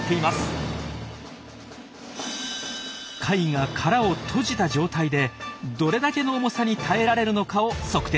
貝が殻を閉じた状態でどれだけの重さに耐えられるのかを測定します。